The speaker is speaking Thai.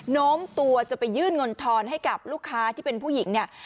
โน้มตัวจะไปยื่นเงินทอนให้กับลูกค้าที่เป็นผู้หญิงเนี่ย